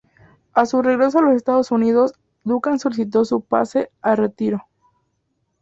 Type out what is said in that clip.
A su regreso a los Estados Unidos, Duncan solicitó su pase a retiro.